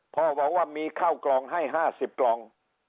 พ่อบอกว่ามีข้าวกล่องให้๕๐กล่อง